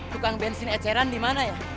tukang bensin eceran di mana ya